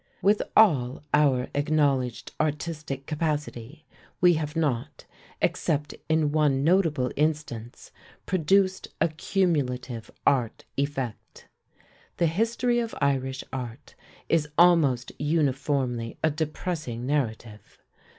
With all our acknowledged artistic capacity, we have not, except in one notable instance, produced a cumulative art effect. The history of Irish art is almost uniformly a depressing narrative.